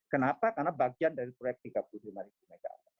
kenapa karena bagian dari proyek tiga puluh lima mw